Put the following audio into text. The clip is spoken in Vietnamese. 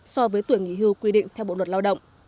so với tuổi nghỉ hưu quy định theo bộ luật lao động